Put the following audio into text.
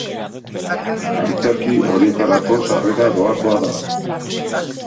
Antzerki horietarako sarrera doakoa da.